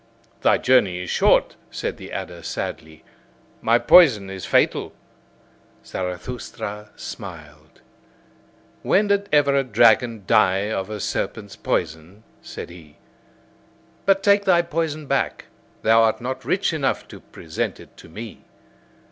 "Thy journey is short," said the adder sadly; "my poison is fatal." Zarathustra smiled. "When did ever a dragon die of a serpent's poison?" said he. "But take thy poison back! Thou art not rich enough to present it to me."